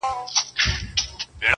له هغه خو مي زړگی قلم قلم دئ.!